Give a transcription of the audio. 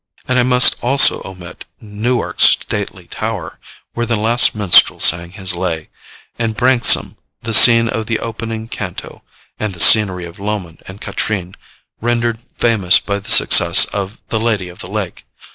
And I must also omit 'Newark's stately tower,' where the last minstrel sang his lay and Branksome, the scene of the opening canto and the scenery of Lomond and Katrine, rendered famous by the success of the Lady of the Lake.